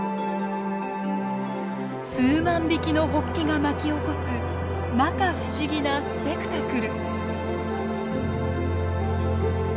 数万匹のホッケが巻き起こすまか不思議なスペクタクル。